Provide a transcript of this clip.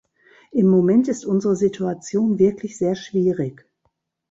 Im Moment ist unsere Situation wirklich sehr schwierig.